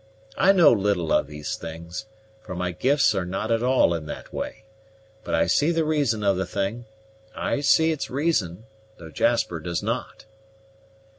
I know little of these things, for my gifts are not at all in that way; but I see the reason of the thing I see its reason, though Jasper does not."